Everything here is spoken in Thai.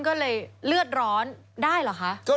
ก็เลยเลือดร้อนได้เหรอคะ